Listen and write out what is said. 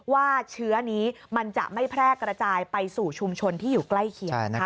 ว่าเชื้อนี้มันจะไม่แพร่กระจายไปสู่ชุมชนที่อยู่ใกล้เคียง